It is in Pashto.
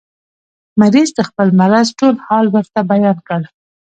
مریض د خپل مرض ټول حال ورته بیان کړ.